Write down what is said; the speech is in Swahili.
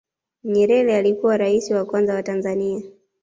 nyerere alikuwa raisi wa kwanza wa tanzania